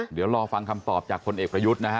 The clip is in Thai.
เดี๋ยวรอฟังคำตอบจากคนเอกประยุทธ์นะฮะ